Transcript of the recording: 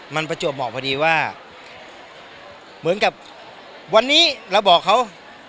มันประจวบเหมาะพอดีว่าเหมือนกับวันนี้เราบอกเขา